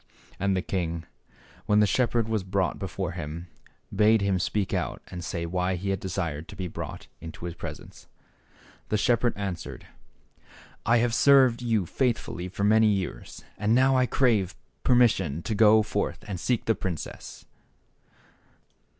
And the king, when the shepherd was brought before him, bade him speak out and say why he had desired to be brought into his presence. The shepherd answered, " I have served you faithfully for many years, and now I crave permission to go forth and seek the princess."